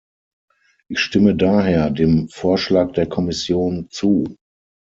Ich stimme daher dem Vorschlag der Kommission zu.